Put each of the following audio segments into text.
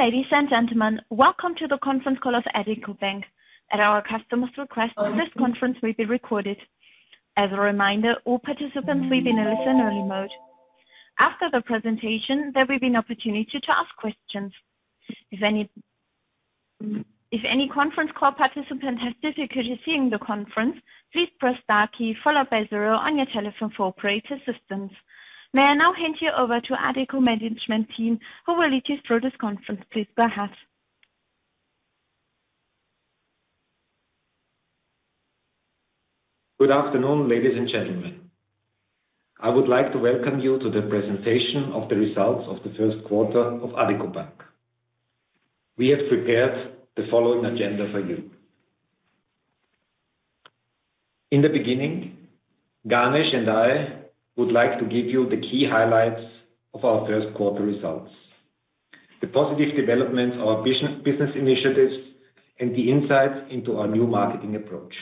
Dear ladies and gentlemen, welcome to the conference call of Addiko Bank. At our customer's request, this conference will be recorded. As a reminder, all participants will be in a listen-only mode. After the presentation, there will be an opportunity to ask questions. If any conference call participant has difficulty hearing the conference, please press star key followed by zero on your telephone for operator assistance. May I now hand you over to Addiko management team who will lead you through this conference. Please go ahead. Good afternoon, ladies and gentlemen. I would like to welcome you to the presentation of the results of the Q1 of Addiko Bank. We have prepared the following agenda for you. In the beginning, Ganesh and I would like to give you the key highlights of our Q1 results, the positive developments of business initiatives, and the insights into our new marketing approach.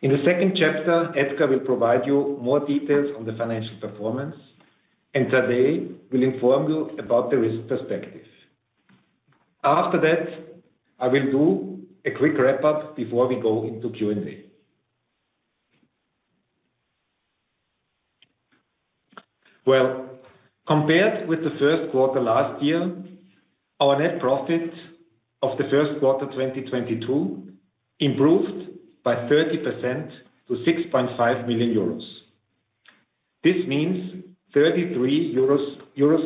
In the second chapter, Edgar will provide you more details on the financial performance, and today we'll inform you about the risk perspective. After that, I will do a quick wrap-up before we go into Q&A. Well, compared with the Q1 last year, our net profits of the Q1 2022 improved by 30% to 6.5 million euros. This means 0.33 euro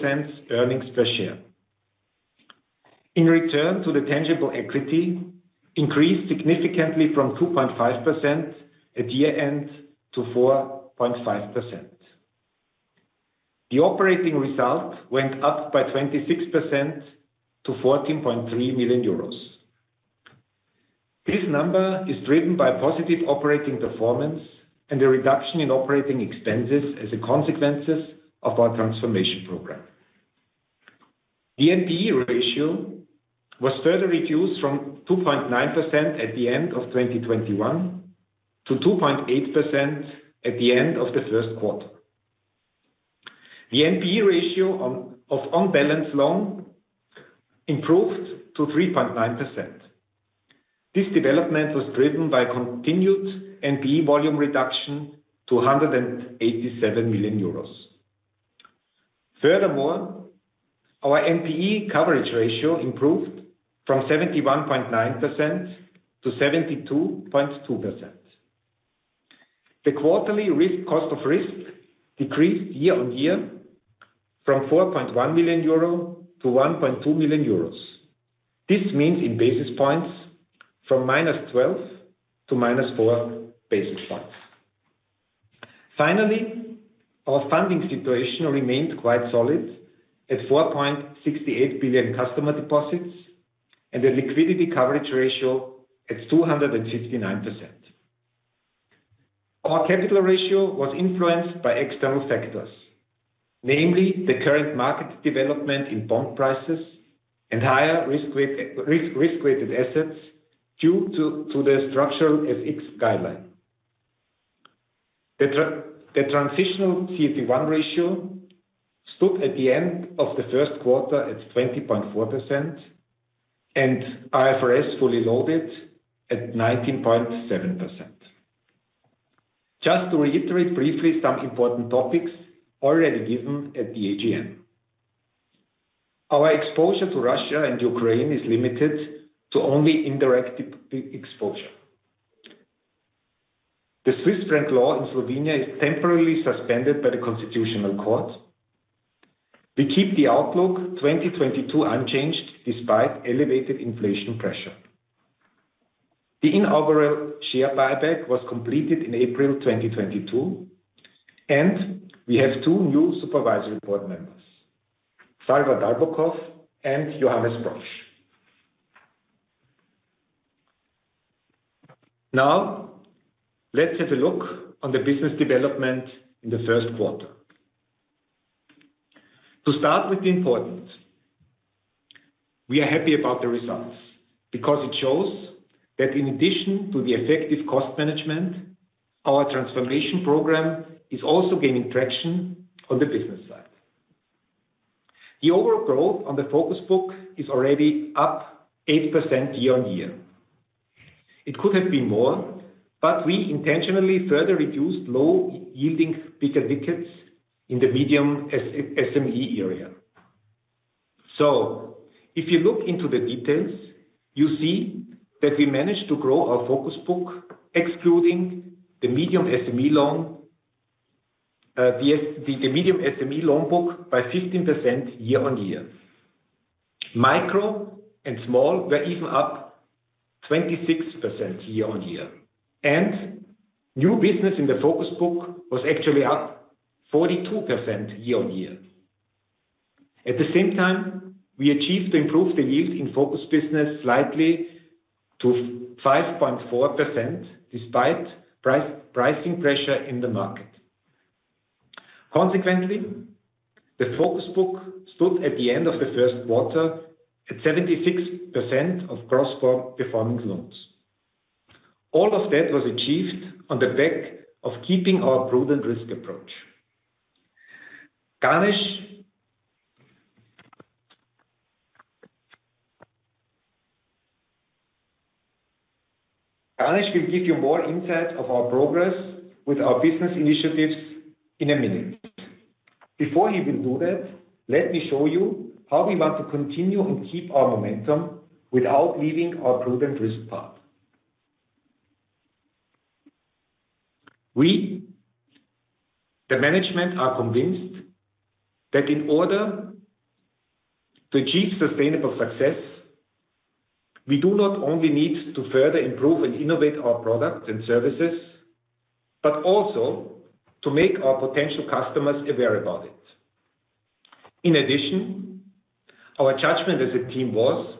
earnings per share. Return on the tangible equity increased significantly from 2.5% at year-end to 4.5%. The operating result went up by 26% to 14.3 million euros. This number is driven by positive operating performance and a reduction in operating expenses as a consequence of our transformation program. The NPE ratio was further reduced from 2.9% at the end of 2021 to 2.8% at the end of the Q1. The NPE ratio of on-balance-sheet loans improved to 3.9%. This development was driven by continued NPE volume reduction to 187 million euros. Furthermore, our NPE coverage ratio improved from 71.9% to 72.2%. The quarterly cost of risk decreased year-on-year from 4.1 million euro to 1.2 million euros. This means in basis points from -12 to -4 basis points. Finally, our funding situation remained quite solid at 4.68 billion customer deposits and a liquidity coverage ratio at 269%. Our capital ratio was influenced by external factors, namely the current market development in bond prices and higher risk-weighted assets due to the structural FX guideline. The transitional CET1 ratio stood at the end of the Q1 at 20.4% and IFRS fully loaded at 19.7%. Just to reiterate briefly some important topics already given at the AGM. Our exposure to Russia and Ukraine is limited to only indirect exposure. The Swiss franc law in Slovenia is temporarily suspended by the Constitutional Court. We keep the outlook 2022 unchanged despite elevated inflation pressure. The inaugural share buyback was completed in April 2022, and we have two new supervisory board members, Sava Dalbokov and Johannes Proksch. Now, let's have a look at the business development in the Q1. To start with, importantly, we are happy about the results because it shows that in addition to the effective cost management, our transformation program is also gaining traction on the business side. The overall growth on the focus book is already up 8% year-on-year. It could have been more, but we intentionally further reduced low-yielding bigger tickets in the medium SME area. If you look into the details, you see that we managed to grow our focus book excluding the medium SME loan book by 15% year-on-year. Micro and small were even up 26% year-on-year. New business in the focus book was actually up 42% year on year. At the same time, we achieved to improve the yield in focus business slightly to 5.4% despite pricing pressure in the market. Consequently, the focus book stood at the end of the Q1 at 76% of gross performing loans. All of that was achieved on the back of keeping our prudent risk approach. Ganesh. Ganesh will give you more insight of our progress with our business initiatives in a minute. Before he will do that, let me show you how we want to continue and keep our momentum without leaving our prudent risk path. We, the management, are convinced that in order to achieve sustainable success, we do not only need to further improve and innovate our products and services, but also to make our potential customers aware about it. In addition, our judgment as a team was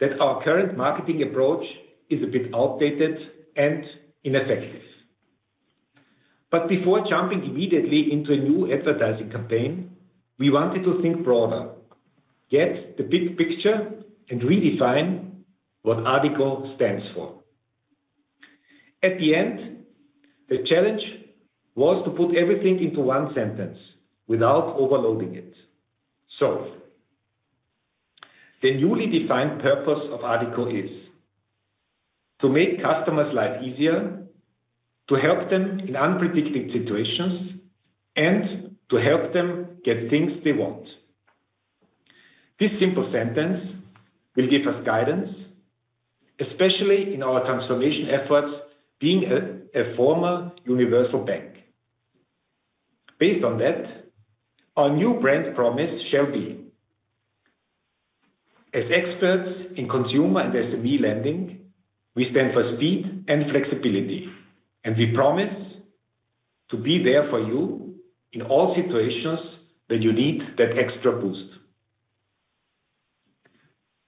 that our current marketing approach is a bit outdated and ineffective. Before jumping immediately into a new advertising campaign, we wanted to think broader, get the big picture, and redefine what Addiko stands for. At the end, the challenge was to put everything into one sentence without overloading it. The newly defined purpose of Addiko is to make customers' life easier, to help them in unpredictable situations and to help them get things they want. This simple sentence will give us guidance, especially in our transformation efforts, being a former universal bank. Based on that, our new brand promise shall be, as experts in consumer and SME lending, we stand for speed and flexibility, and we promise to be there for you in all situations that you need that extra boost.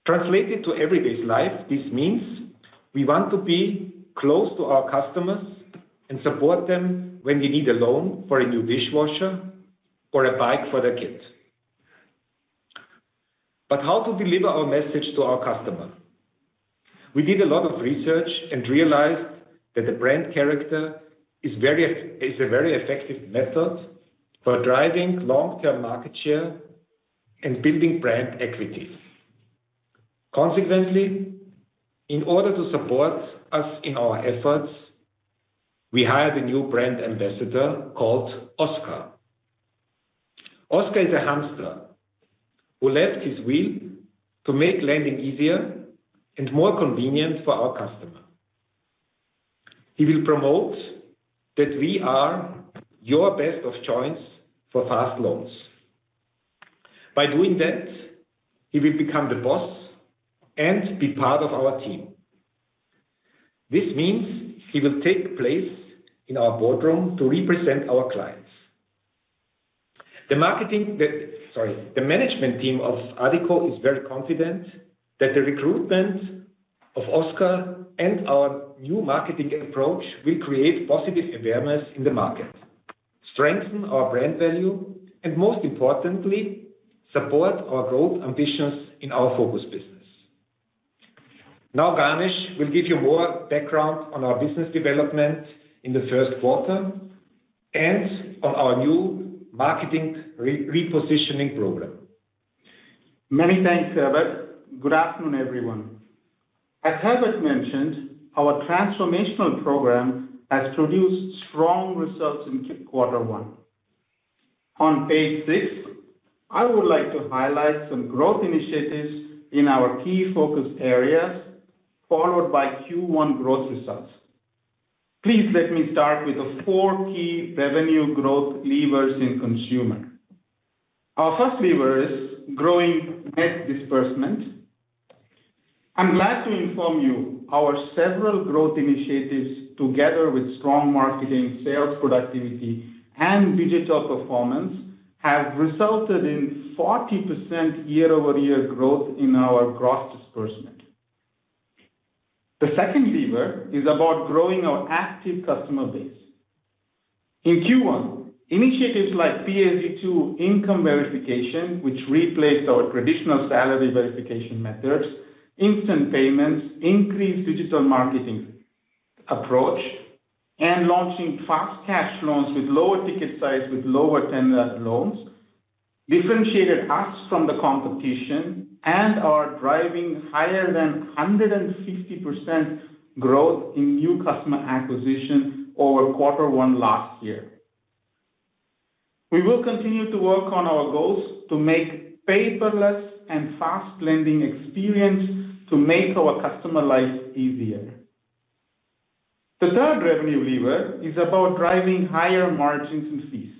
Translated to everyday life, this means we want to be close to our customers and support them when they need a loan for a new dishwasher or a bike for their kids. How to deliver our message to our customer? We did a lot of research and realized that the brand character is a very effective method for driving long-term market share and building brand equity. Consequently, in order to support us in our efforts, we hired a new brand ambassador called Oskar. Oskar is a hamster who left his wheel to make lending easier and more convenient for our customer. He will promote that we are your best of choice for fast loans. By doing that, he will become the boss and be part of our team. This means he will take place in our boardroom to represent our clients. The management team of Addiko is very confident that the recruitment of Oskar and our new marketing approach will create positive awareness in the market, strengthen our brand value, and most importantly, support our growth ambitions in our focus business. Now, Ganesh will give you more background on our business development in the Q1 and on our new marketing repositioning program. Many thanks, Herbert. Good afternoon, everyone. As Herbert mentioned, our transformational program has produced strong results in Q1. On page six, I would like to highlight some growth initiatives in our key focus areas, followed by Q1 growth results. Please let me start with the four key revenue growth levers in consumer. Our first lever is growing net disbursement. I'm glad to inform you our several growth initiatives, together with strong marketing sales productivity and digital performance, have resulted in 40% year-over-year growth in our gross disbursement. The second lever is about growing our active customer base. In Q1, initiatives like PSD2 income verification, which replaced our traditional salary verification methods, instant payments, increased digital marketing approach, and launching fast cash loans with lower ticket size with lower tenor loans, differentiated us from the competition and are driving higher than 150% growth in new customer acquisition over Q1 last year. We will continue to work on our goals to make paperless and fast lending experience to make our customer life easier. The third revenue lever is about driving higher margins and fees.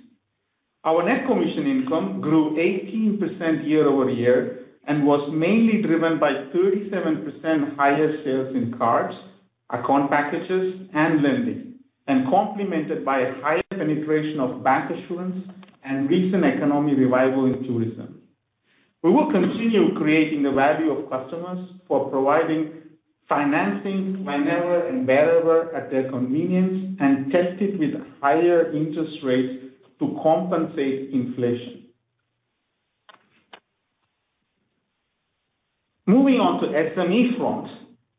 Our net commission income grew 18% year-over-year and was mainly driven by 37% higher sales in cards, account packages and lending, and complemented by a higher penetration of bancassurance and recent economic revival in tourism. We will continue creating value for customers for providing financing whenever and wherever at their convenience and tested with higher interest rates to compensate inflation. Moving on to SME front.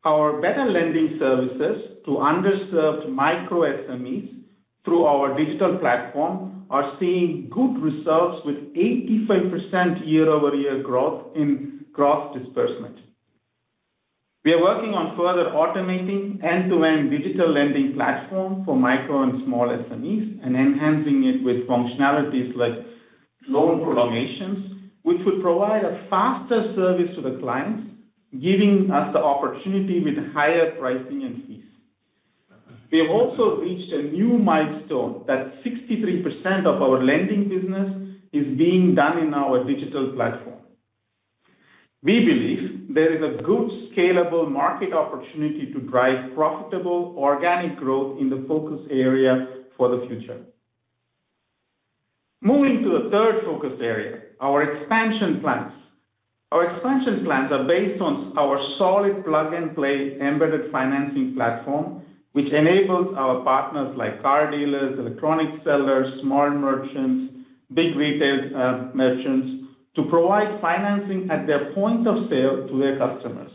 Our better lending services to underserved micro SMEs through our digital platform are seeing good results with 85% year-over-year growth in gross disbursement. We are working on further automating end-to-end digital lending platform for micro and small SMEs and enhancing it with functionalities like loan prolongations, which would provide a faster service to the clients, giving us the opportunity with higher pricing and fees. We have also reached a new milestone that 63% of our lending business is being done in our digital platform. We believe there is a good scalable market opportunity to drive profitable organic growth in the focus area for the future. Moving to the third focus area, our expansion plans. Our expansion plans are based on our solid plug-and-play embedded financing platform, which enables our partners like car dealers, electronic sellers, small merchants, big retail, merchants, to provide financing at their point of sale to their customers.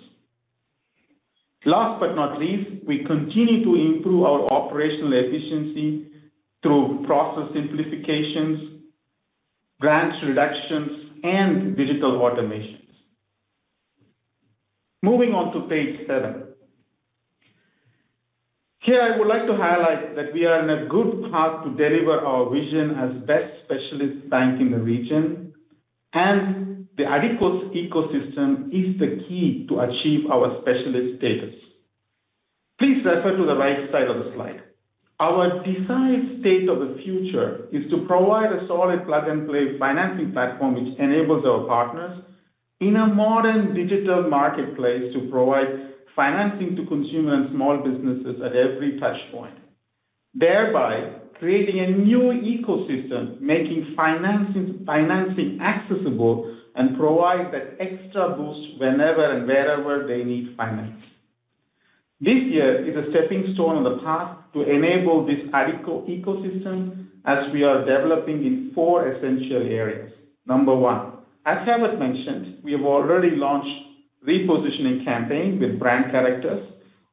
Last but not least, we continue to improve our operational efficiency through process simplifications, grants reductions, and digital automations. Moving on to page seven. Here I would like to highlight that we are on a good path to deliver our vision as best specialist bank in the region, and the Addiko ecosystem is the key to achieve our specialist status. Please refer to the right side of the slide. Our desired state of the future is to provide a solid plug-and-play financing platform, which enables our partners in a modern digital marketplace to provide financing to consumer and small businesses at every touch point, thereby creating a new ecosystem, making financing accessible, and provide that extra boost whenever and wherever they need finance. This year is a stepping stone on the path to enable this Addiko ecosystem as we are developing in four essential areas. Number one, as Herbert mentioned, we have already launched repositioning campaign with brand characters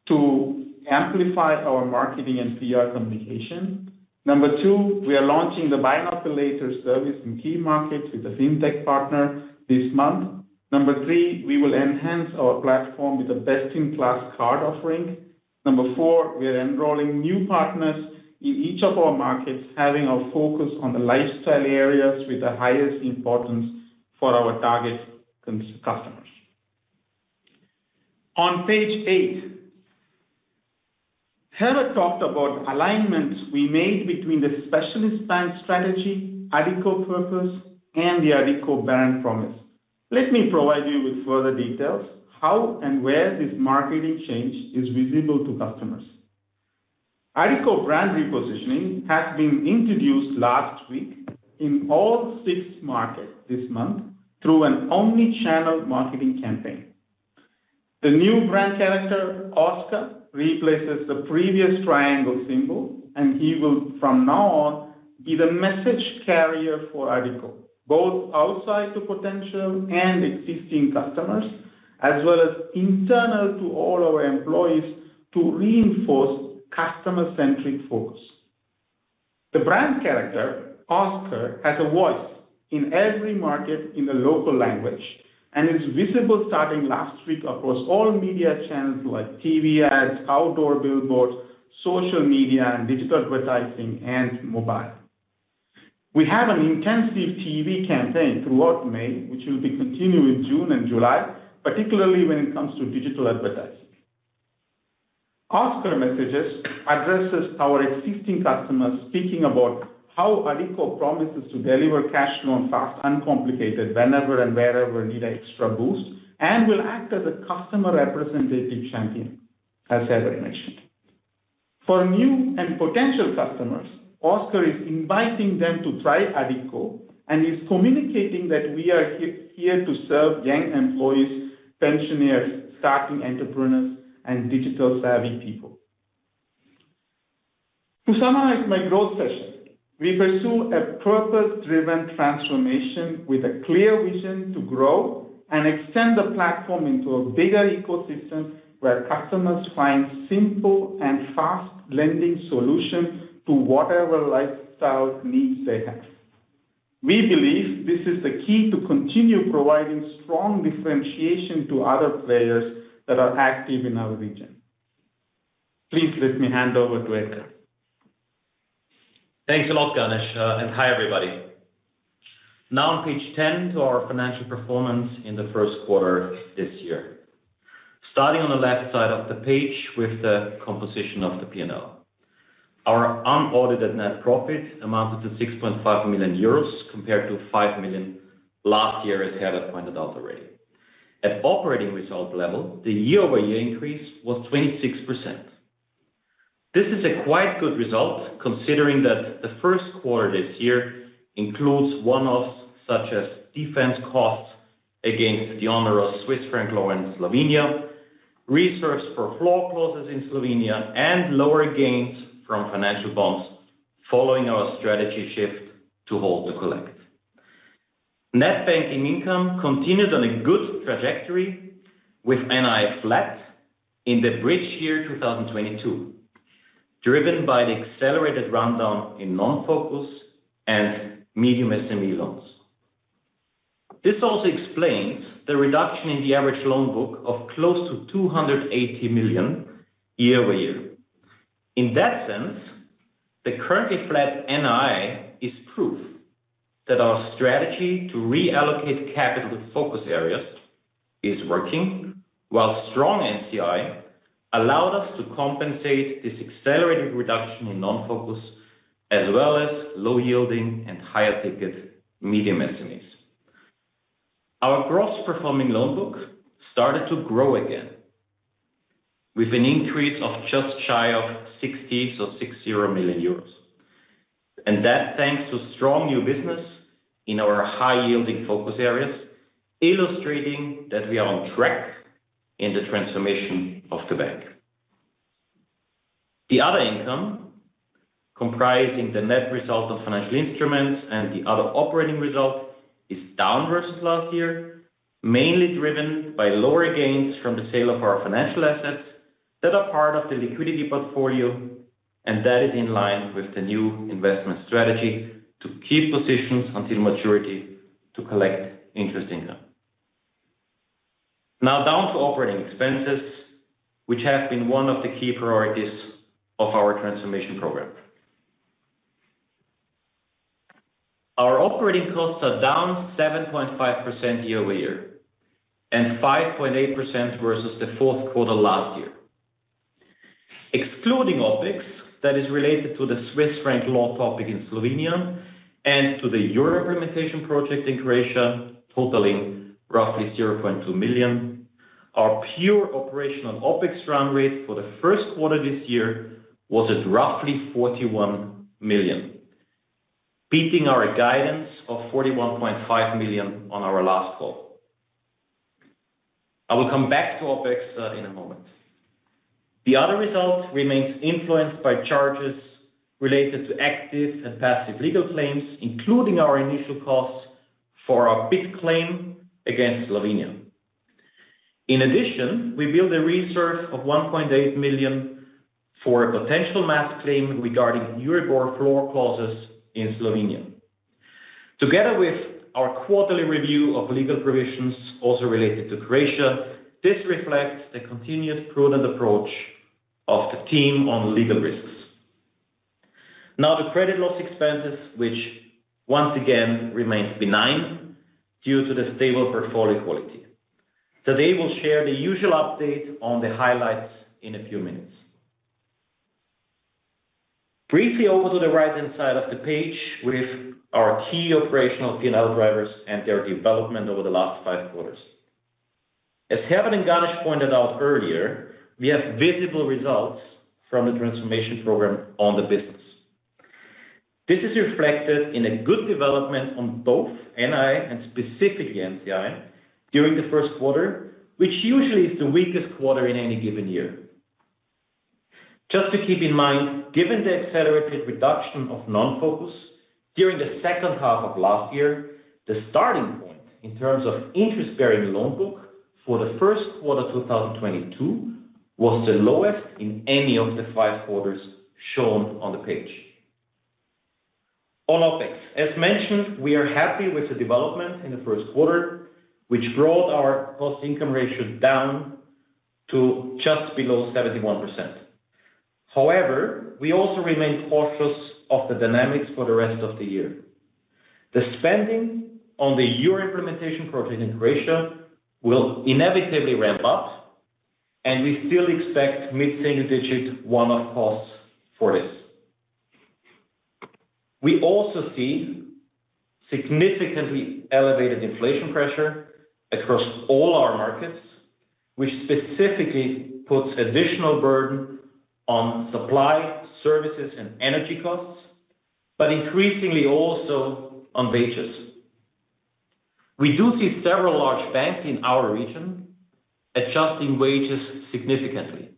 to amplify our marketing and PR communication. Number two, we are launching the buy now, pay later service in key markets with a fintech partner this month. Number three, we will enhance our platform with a best-in-class card offering. Number four, we are enrolling new partners in each of our markets, having a focus on the lifestyle areas with the highest importance for our target customers. On page eight, Herbert talked about alignments we made between the specialist bank strategy, Addiko purpose, and the Addiko brand promise. Let me provide you with further details, how and where this marketing change is visible to customers. Addiko brand repositioning has been introduced last week in all six markets this month through an omni-channel marketing campaign. The new brand character, Oskar, replaces the previous triangle symbol, and he will, from now on, be the message carrier for Addiko, both outside to potential and existing customers, as well as internal to all our employees to reinforce customer-centric focus. The brand character, Oskar, has a voice in every market in the local language and is visible starting last week across all media channels like TV ads, outdoor billboards, social media and digital advertising, and mobile. We have an intensive TV campaign throughout May, which will be continuing June and July, particularly when it comes to digital advertising. Oskar's messages address our existing customers, speaking about how Addiko promises to deliver fast cash loans, uncomplicated, whenever and wherever need an extra boost, and will act as a customer representative champion, as Herbert mentioned. For new and potential customers, Oskar is inviting them to try Addiko and is communicating that we are here to serve young employees, pensioners, starting entrepreneurs, and digital-savvy people. To summarize my growth session, we pursue a purpose-driven transformation with a clear vision to grow and extend the platform into a bigger ecosystem where customers find simple and fast lending solution to whatever lifestyle needs they have. We believe this is the key to continue providing strong differentiation to other players that are active in our region. Please let me hand over to Edgar. Thanks a lot, Ganesh, and hi, everybody. Now on page ten to our financial performance in the Q1 this year. Starting on the left side of the page with the composition of the P&L. Our unaudited net profit amounted to 6.5 million euros compared to 5 million last year, as Herbert pointed out already. At operating results level, the year-over-year increase was 26%. This is a quite good result considering that the Q1 this year includes one-offs such as defense costs against the onerous Swiss franc law in Slovenia, reserves for floor clauses in Slovenia, and lower gains from financial bonds. Following our strategy shift to hold to collect. Net banking income continues on a good trajectory with NI flat in the bridge year 2022, driven by the accelerated rundown in non-core and medium SME loans. This also explains the reduction in the average loan book of close to 280 million year-over-year. In that sense, the currently flat NII is proof that our strategy to reallocate capital to focus areas is working, while strong NCI allowed us to compensate this accelerated reduction in non-focus as well as low-yielding and higher-ticket medium SMEs. Our gross performing loan book started to grow again with an increase of just shy of 60, so 60 million euros. That thanks to strong new business in our high-yielding focus areas, illustrating that we are on track in the transformation of the bank. The other income, comprising the net result of financial instruments and the other operating results, is down versus last year, mainly driven by lower gains from the sale of our financial assets that are part of the liquidity portfolio, and that is in line with the new investment strategy to keep positions until maturity to collect interest income. Now down to operating expenses, which have been one of the key priorities of our transformation program. Our operating costs are down 7.5% year-over-year and 5.8% versus the Q1 last year. Excluding OpEx that is related to the Swiss franc law topic in Slovenia and to the Euro implementation project in Croatia, totaling roughly 0.2 million, our pure operational OpEx run rate for the Q1 this year was at roughly 41 million, beating our guidance of 41.5 million on our last call. I will come back to OpEx in a moment. The other result remains influenced by charges related to active and passive legal claims, including our initial costs for our big claim against Slovenia. In addition, we built a reserve of 1.8 million for a potential mass claim regarding Euribor floor clauses in Slovenia. Together with our quarterly review of legal provisions also related to Croatia, this reflects the continued prudent approach of the team on legal risks. Now the credit loss expenses, which once again remains benign due to the stable portfolio quality. They will share the usual update on the highlights in a few minutes. Briefly over to the right-hand side of the page with our key operational P&L drivers and their development over the last five quarters. As Herbert and Ganesh pointed out earlier, we have visible results from the transformation program on the business. This is reflected in a good development on both NII and specifically NCI during the Q1, which usually is the weakest quarter in any given year. Just to keep in mind, given the accelerated reduction of non-focus during the second half of last year, the starting point in terms of interest-bearing loan book for the Q1 2022 was the lowest in any of the five quarters shown on the page. On OpEx. As mentioned, we are happy with the development in the Q1, which brought our cost income ratio down to just below 71%. However, we also remain cautious of the dynamics for the rest of the year. The spending on the Euro implementation project in Croatia will inevitably ramp up, and we still expect mid-single-digit one-off costs for this. We also see significantly elevated inflation pressure across all our markets, which specifically puts additional burden on supply, services and energy costs, but increasingly also on wages. We do see several large banks in our region adjusting wages significantly.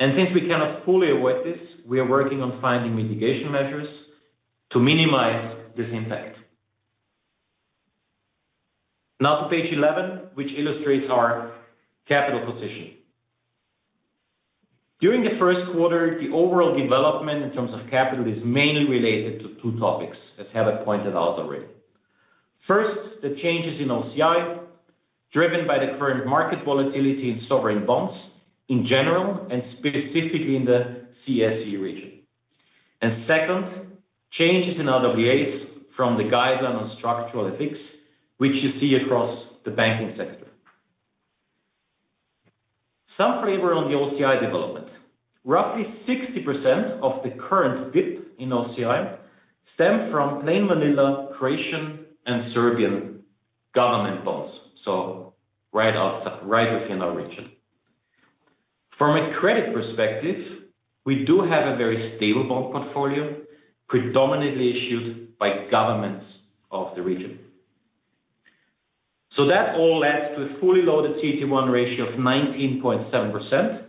Since we cannot fully avoid this, we are working on finding mitigation measures to minimize this impact. Now to page 11, which illustrates our capital position. During the Q1 the overall development in terms of capital is mainly related to two topics, as Herbert pointed out already. First, the changes in OCI, driven by the current market volatility in sovereign bonds in general and specifically in the CSEE region. Second, changes in RWAs from the guideline on structural FX, which you see across the banking sector. Some flavor on the OCI development. Roughly 60% of the current dip in OCI stem from plain vanilla Croatian and Serbian government bonds. Right within our region. From a credit perspective, we do have a very stable bond portfolio, predominantly issued by governments of the region. That all adds to a fully loaded CET1 ratio of 19.7%,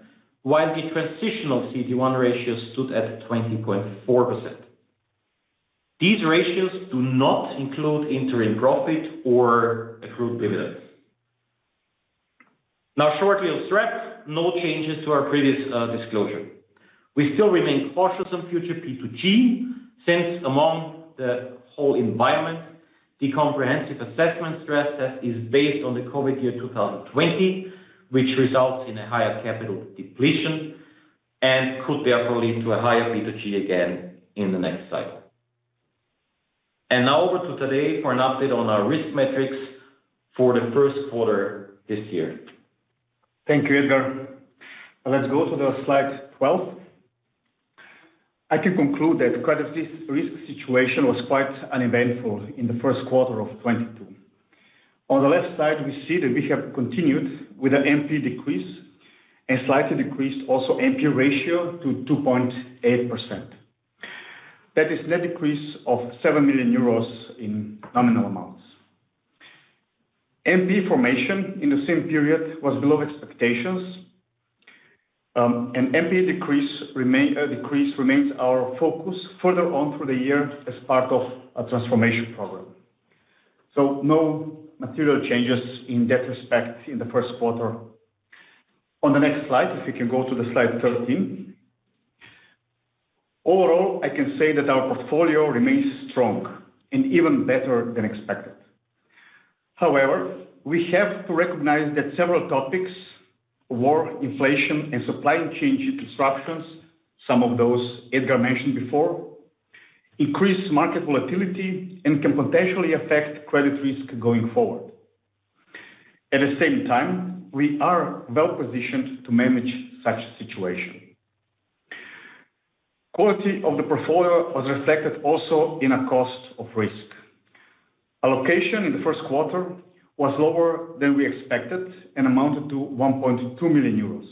while the transitional CET1 ratio stood at 20.4%. These ratios do not include interim profit or accrued dividends. Now, shortly on stress, no changes to our previous disclosure. We still remain cautious on future P2G since among the whole environment, the comprehensive assessment stress test is based on the COVID-19 year 2020, which results in a higher capital depletion and could therefore lead to a higher P2G again in the next cycle. Now over to Tadej for an update on our risk metrics for the Q1 this year. Thank you, Edgar. Let's go to the slide 12. I can conclude that credit risk situation was quite uneventful in the Q1 of 2022. On the left side, we see that we have continued with an NPE decrease and slightly decreased also NPE ratio to 2.8%. That is net decrease of 7 million euros in nominal amounts. NPE formation in the same period was below expectations, and NPE decrease remains our focus further on through the year as part of a transformation program. No material changes in that respect in the Q1. On the next slide, if you can go to the slide 13. Overall, I can say that our portfolio remains strong and even better than expected. However, we have to recognize that several topics, war, inflation, and supply chain disruptions, some of those Edgar mentioned before, increase market volatility and can potentially affect credit risk going forward. At the same time, we are well-positioned to manage such situation. Quality of the portfolio was reflected also in a cost of risk. Allocation in the Q1 was lower than we expected and amounted to 1.2 million euros.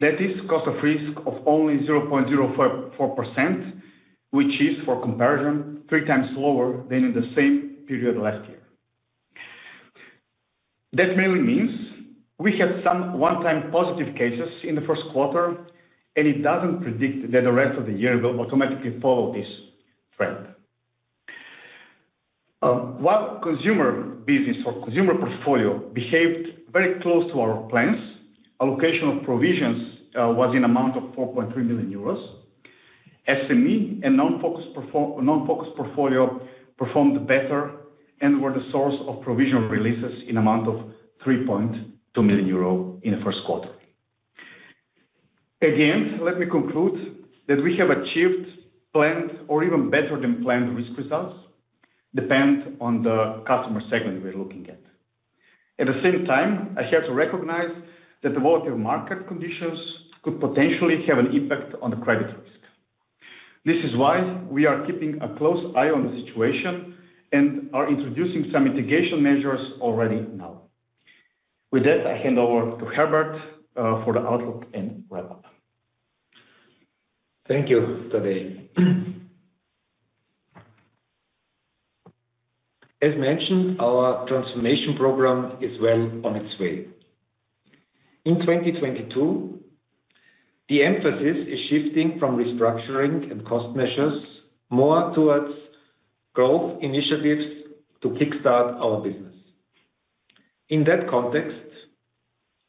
That is cost of risk of only 0.044%, which is for comparison, three times lower than in the same period last year. That mainly means we had some one-time positive cases in the Q1, and it doesn't predict that the rest of the year will automatically follow this trend. While consumer business or consumer portfolio behaved very close to our plans, allocation of provisions was in amount of 4.3 million euros. SME and non-focused portfolio performed better and were the source of provision releases in amount of 3.2 million euro in theQ1. Again, let me conclude that we have achieved planned or even better than planned risk results, depend on the customer segment we're looking at. At the same time, I have to recognize that the volatile market conditions could potentially have an impact on the credit risk. This is why we are keeping a close eye on the situation and are introducing some mitigation measures already now. With that, I hand over to Herbert for the outlook and wrap-up. Thank you, Tadej. As mentioned, our transformation program is well on its way. In 2022, the emphasis is shifting from restructuring and cost measures more towards growth initiatives to kickstart our business. In that context,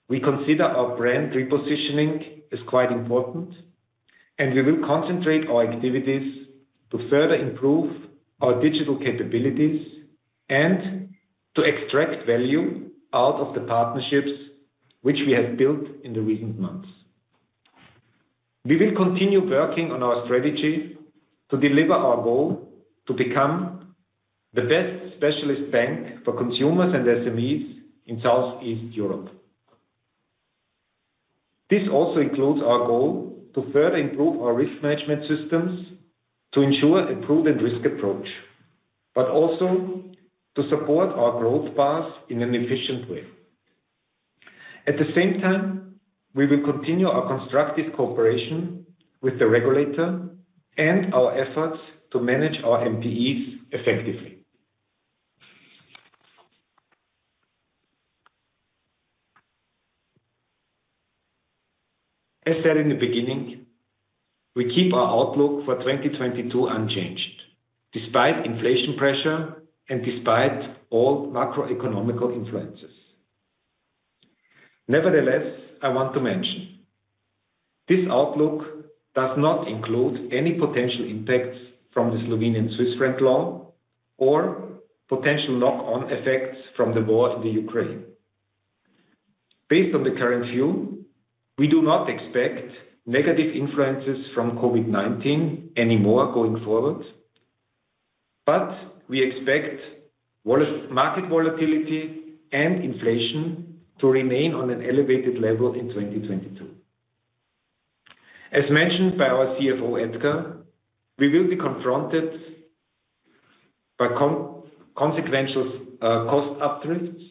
we consider our brand repositioning as quite important, and we will concentrate our activities to further improve our digital capabilities and to extract value out of the partnerships which we have built in the recent months. We will continue working on our strategy to deliver our goal to become the best specialist bank for consumers and SMEs in South East Europe. This also includes our goal to further improve our risk management systems to ensure a proven risk approach, but also to support our growth path in an efficient way. At the same time, we will continue our constructive cooperation with the regulator and our efforts to manage our NPEs effectively. As said in the beginning, we keep our outlook for 2022 unchanged, despite inflation pressure and despite all macroeconomic influences. Nevertheless, I want to mention, this outlook does not include any potential impacts from the Slovenian Swiss franc loan or potential knock-on effects from the war in the Ukraine. Based on the current view, we do not expect negative influences from COVID-19 anymore going forward, but we expect market volatility and inflation to remain on an elevated level in 2022. As mentioned by our CFO, Edgar, we will be confronted by consequential cost uplifts,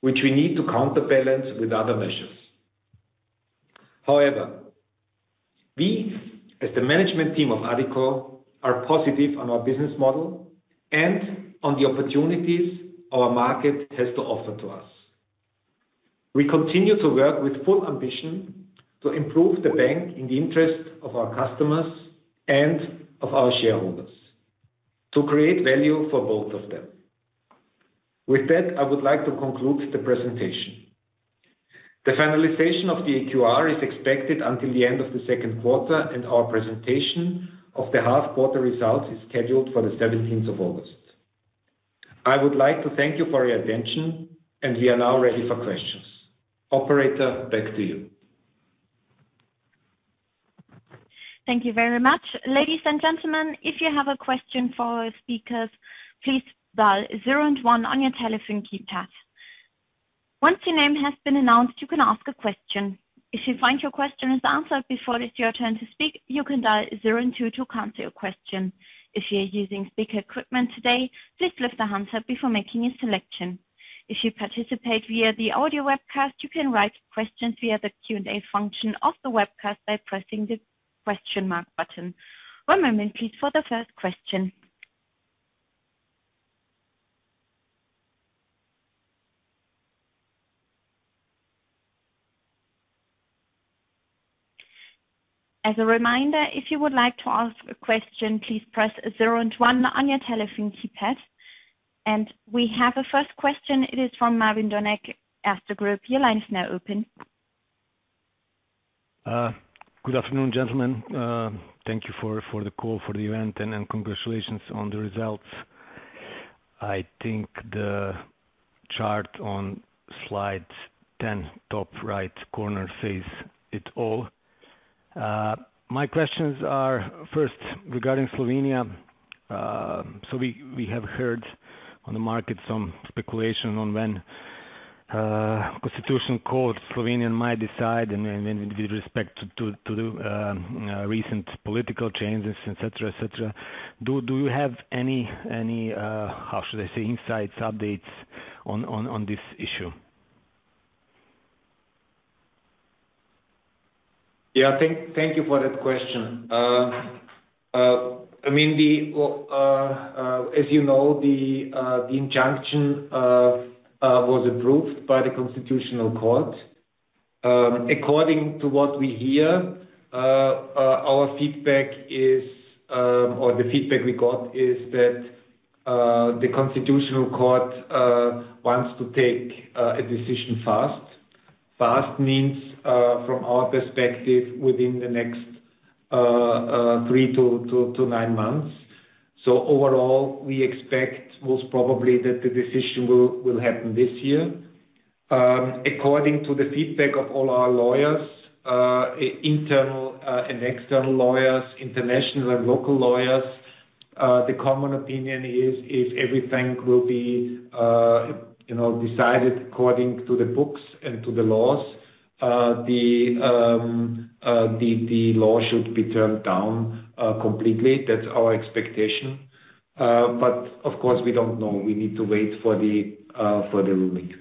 which we need to counterbalance with other measures. However, we as the management team of Addiko are positive on our business model and on the opportunities our market has to offer to us. We continue to work with full ambition to improve the bank in the interest of our customers and of our shareholders, to create value for both of them. With that, I would like to conclude the presentation. The finalization of the AQR is expected until the end of the second quarter, and our presentation of the half-year results is scheduled for the seventeenth of August. I would like to thank you for your attention, and we are now ready for questions. Operator, back to you. Thank you very much. Ladies and gentlemen, if you have a question for our speakers, please dial zero and one on your telephone keypad. Once your name has been announced, you can ask a question. If you find your question is answered before it is your turn to speak, you can dial zero and two to cancel your question. If you're using speaker equipment today, please lift the handset before making your selection. If you participate via the audio webcast, you can write questions via the Q&A function of the webcast by pressing the question mark button. One moment, please, for the first question. As a reminder, if you would like to ask a question, please press zero and one on your telephone keypad. We have a first question. It is from Mladen Dodig, Erste Group. Your line is now open. Good afternoon, gentlemen. Thank you for the call for the event and congratulations on the results. I think the chart on slide 10, top right corner says it all. My questions are first regarding Slovenia. We have heard on the market some speculation on when the Slovenian Constitutional Court might decide and with respect to the recent political changes, et cetera. Do you have any, how should I say, insights, updates on this issue? Thank you for that question. I mean, as you know, the injunction was approved by the Constitutional Court. According to what we hear, our feedback is, or the feedback we got is that, the Constitutional Court wants to take a decision fast. Fast means, from our perspective within the next three-nine months. Overall, we expect most probably that the decision will happen this year. According to the feedback of all our lawyers, internal and external lawyers, international and local lawyers, the common opinion is if everything will be, you know, decided according to the books and to the laws, the law should be turned down completely. That's our expectation. Of course, we don't know. We need to wait for the ruling.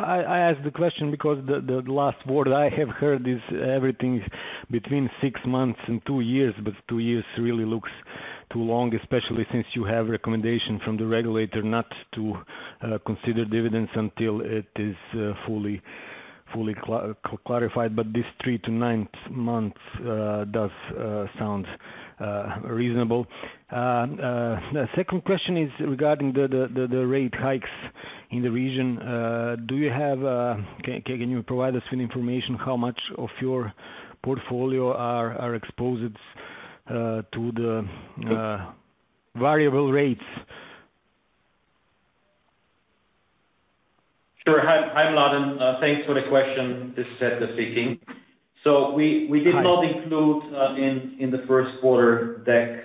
I asked the question because the last word I have heard is everything between six months and two years, but two years really looks too long, especially since you have recommendation from the regulator not to consider dividends until it is fully clarified. This three-nine months does sound reasonable. The second question is regarding the rate hikes in the region. Can you provide us with information how much of your portfolio are exposed to the variable rates? Sure. Hi, Mladen. Thanks for the question. This is Edgar speaking. Hi. We did not include in the Q1 deck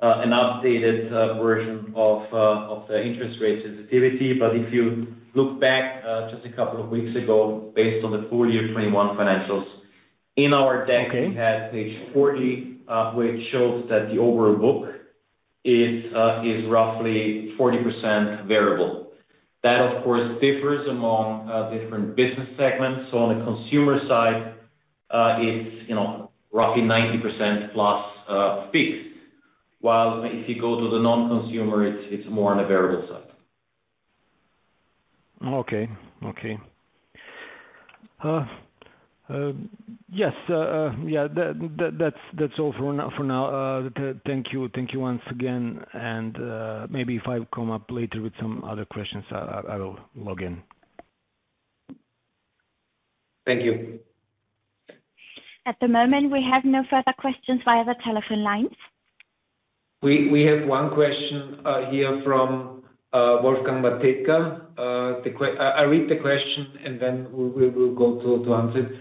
an updated version of the interest rate sensitivity. If you look back just a couple of weeks ago, based on the full year 2021 financials, in our deck. Okay. We have page 40, which shows that the overall book is roughly 40% variable. That of course, differs among, different business segments. On the consumer side, it's, you know, roughly 90%+ fixed. While if you go to the non-consumer, it's more on the variable side. Okay. Yes. Yeah, that's all for now. Thank you. Thank you once again. Maybe if I come up later with some other questions, I'll log in. Thank you. At the moment, we have no further questions via the telephone lines. We have one question here from Wolfgang Matejka. I'll read the question and then we'll go to answer.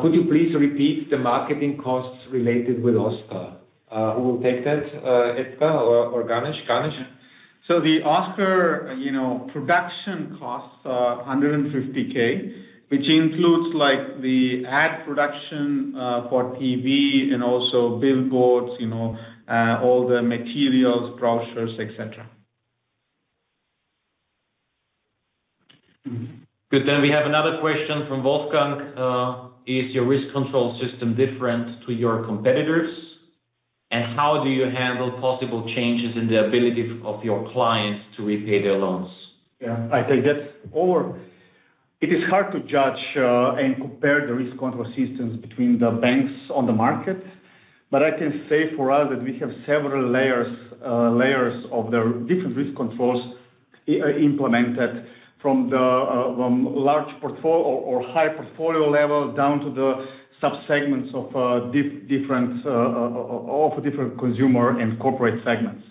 Could you please repeat the marketing costs related with Oskar? Who will take that? Edgar or Ganesh? Ganesh. Oskar production costs are 150,000, which includes, like, the ad production for TV and also billboards, you know, all the materials, brochures, et cetera. Good. We have another question from Wolfgang. Is your risk control system different to your competitors? How do you handle possible changes in the ability of your clients to repay their loans? Yeah, I take that. Over. It is hard to judge and compare the risk control systems between the banks on the market. I can say for us that we have several layers of the different risk controls implemented from the high portfolio level down to the subsegments of different consumer and corporate segments.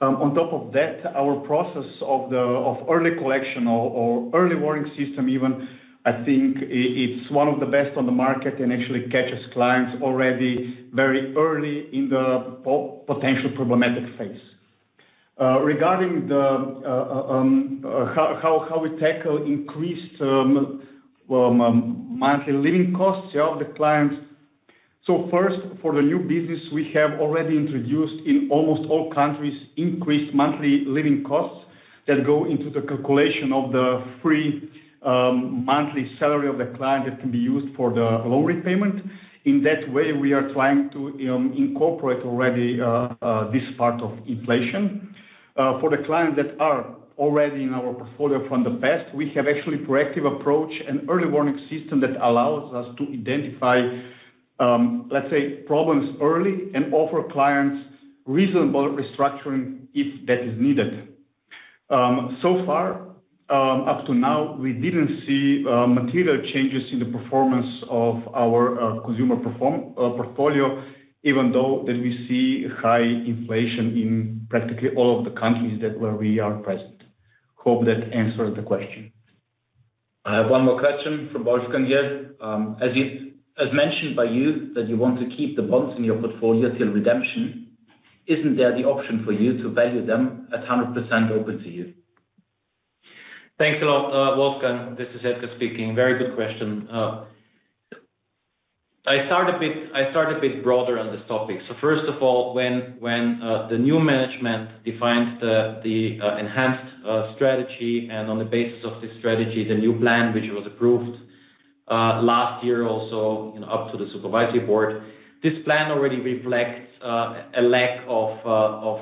On top of that, our process of early collection or early warning system even, I think it's one of the best on the market and actually catches clients already very early in the potential problematic phase. Regarding how we tackle increased, well, monthly living costs of the clients. First, for the new business, we have already introduced in almost all countries increased monthly living costs that go into the calculation of the free monthly salary of the client that can be used for the loan repayment. In that way, we are trying to incorporate already this part of inflation. For the clients that are already in our portfolio from the past, we have actually proactive approach and early warning system that allows us to identify, let's say, problems early and offer clients reasonable restructuring if that is needed. So far, up to now, we didn't see material changes in the performance of our consumer portfolio, even though we see high inflation in practically all of the countries where we are present. Hope that answers the question. I have one more question from Wolfgang here. As mentioned by you that you want to keep the bonds in your portfolio till redemption, isn't there the option for you to value them at 100% open to you? Thanks a lot, Wolfgang. This is Edgar speaking. Very good question. I start a bit broader on this topic. First of all, the new management defines the enhanced strategy, and on the basis of this strategy, the new plan, which was approved last year also up to the supervisory board. This plan already reflects a lack of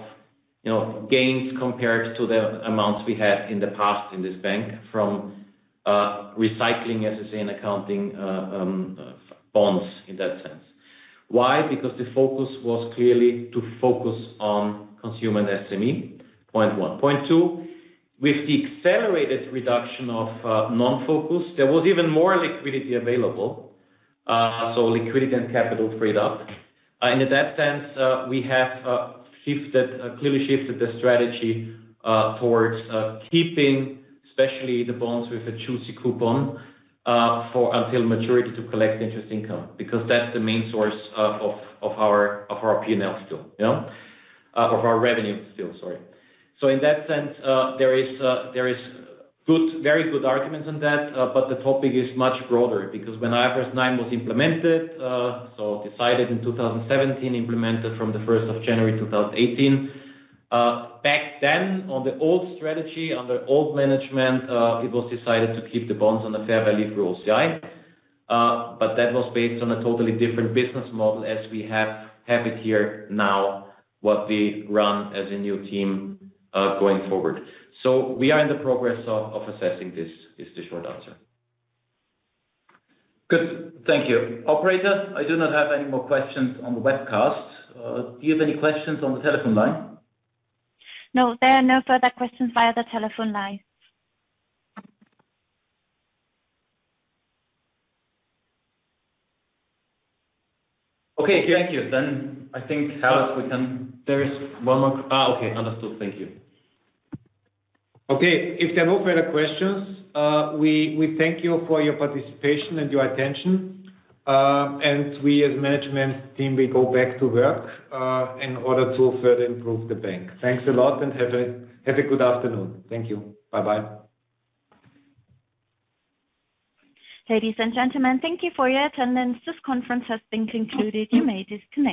you know gains compared to the amounts we had in the past in this bank from recycling, as I say in accounting, bonds in that sense. Why? Because the focus was clearly on consumer and SME, point one. Point two, with the accelerated reduction of non-focus, there was even more liquidity available. Liquidity and capital freed up. In that sense, we have clearly shifted the strategy towards keeping especially the bonds with a juicy coupon up until maturity to collect interest income, because that's the main source of our P&L still, you know, of our revenue still, sorry. In that sense, there are very good arguments on that, but the topic is much broader because when IFRS 9 was implemented, so decided in 2017, implemented from the first of January 2018. Back then, on the old strategy, under old management, it was decided to keep the bonds on a fair value through OCI. that was based on a totally different business model as we have it here now, what we run as a new team, going forward. We are in the process of assessing this is the short answer. Good. Thank you. Operator, I do not have any more questions on the webcast. Do you have any questions on the telephone line? No, there are no further questions via the telephone line. Okay, thank you. I think, Carlos, we can- There is one more. Oh, okay. Understood. Thank you. Okay, if there are no further questions, we thank you for your participation and your attention. We as management team go back to work in order to further improve the bank. Thanks a lot, and have a good afternoon. Thank you. Bye-bye. Ladies and gentlemen, thank you for your attendance. This conference has been concluded. You may disconnect.